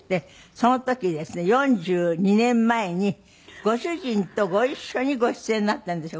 その時ですね４２年前にご主人とご一緒にご出演になったんですよ